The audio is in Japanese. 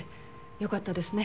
良かったですね